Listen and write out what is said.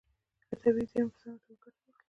له طبیعي زیرمو په سمه توګه ګټه واخلئ.